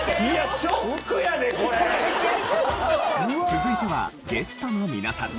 続いてはゲストの皆さん。